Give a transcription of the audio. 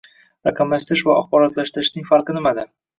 Raqamlashtirish va axborotlashtirishning farqi nimada?